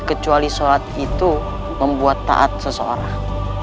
kecuali sholat itu membuat taat seseorang